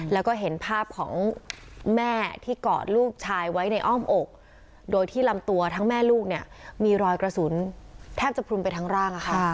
แล้วก็เห็นภาพของแม่ที่กอดลูกชายไว้ในอ้อมอกโดยที่ลำตัวทั้งแม่ลูกเนี่ยมีรอยกระสุนแทบจะพรุมไปทั้งร่าง